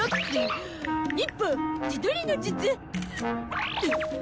忍法自撮りの術！